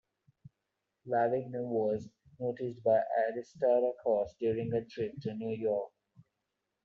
Lavigne was noticed by Arista Records during a trip to New York.